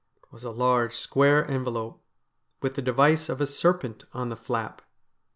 It was a large square envelope with the device of a serpent on the flap.